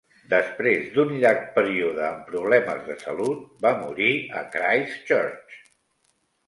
Després d'un llarg període amb problemes de salut va morir a Christ Church.